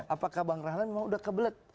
apakah bang rahlan memang udah kebelet